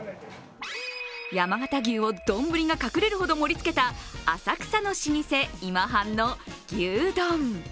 山形牛をどんぶりが隠れるほど盛りつけた浅草の老舗、今半の牛丼。